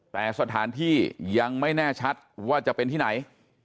แต่สถานที่ยังไม่แน่ชัดว่าจะเป็นที่ไหน